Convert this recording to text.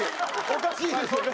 おかしいですよね。